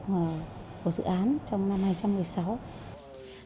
và đảm bảo việc hoàn thành hạng mục của dự án trong năm hai nghìn một mươi sáu